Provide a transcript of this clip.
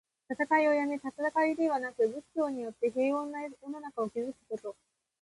戦いをやめ、戦いではなく、文教によって平穏な世の中を築くこと。